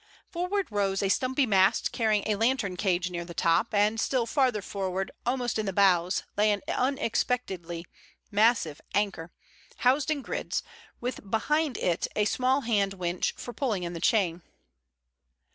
Forward rose a stumpy mast carrying a lantern cage near the top, and still farther forward, almost in the bows, lay an unexpectedly massive anchor, housed in grids, with behind it a small hand winch for pulling in the chain.